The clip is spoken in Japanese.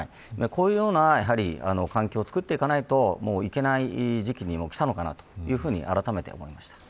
こういった環境を作っていかないといけない時期に来たのかなと、あらためて思いました。